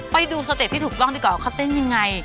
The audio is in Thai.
ไปดูสเต็ปที่ถูกต้องดีกว่าว่าเขาเต้นยังไง